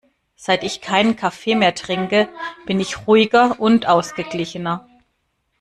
Seit ich keinen Kaffee mehr trinke, bin ich ruhiger und ausgeglichener.